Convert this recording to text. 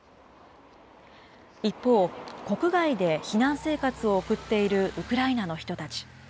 一方、国外で避難生活を送っているウクライナの人たち。